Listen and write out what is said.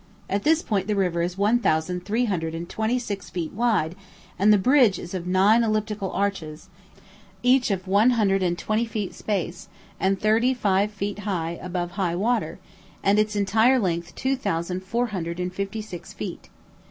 At this point the river is one thousand three hundred and twenty six feet wide; and the bridge is of nine elliptical arches, each of one hundred and twenty feet space, and thirty five feet high above high water, and its entire length two thousand four hundred and fifty six feet.